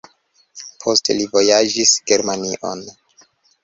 Poste li vojaĝis Germanion.